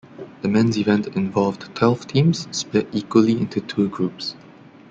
The men's event involved twelve teams split equally into two groups.